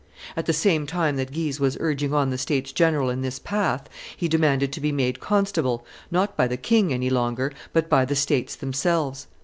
At the same time that Guise was urging on the states general in this path, he demanded to be made constable, not by the king any longer, but by the states themselves.